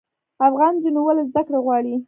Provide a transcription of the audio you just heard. افغان نجونې ولې زده کړې غواړي؟